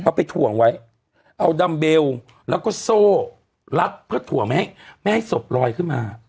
ไปถ่วงไว้เอาดัมเบลแล้วก็โซ่ลัดเพื่อถ่วงไม่ให้ไม่ให้ศพลอยขึ้นมา